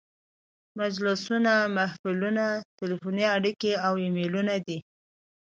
مجلسونه، محفلونه، تلیفوني اړیکې او ایمیلونه دي.